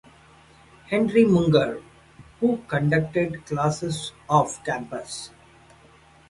Henry Munger, who conducted classes off campus.